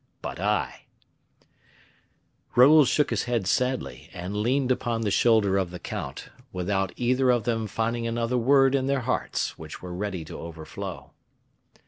But I " Raoul shook his head sadly, and leaned upon the shoulder of the count, without either of them finding another word in their hearts, which were ready to overflow.